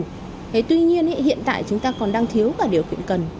thế tuy nhiên hiện tại chúng ta còn đang thiếu cả điều kiện cần